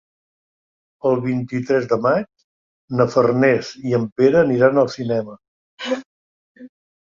El vint-i-tres de maig na Farners i en Pere aniran al cinema.